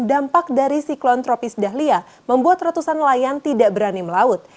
dampak dari siklon tropis dahlia membuat ratusan nelayan tidak berani melaut